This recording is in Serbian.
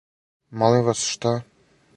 Молим вас, шта?